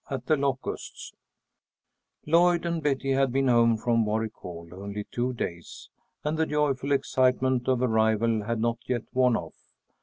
AT "THE LOCUSTS" Lloyd and Betty had been home from Warwick Hall only two days, and the joyful excitement of arrival had not yet worn off.